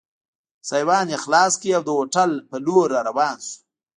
سایوان یې خلاص کړ او د هوټل په لور را روان شو.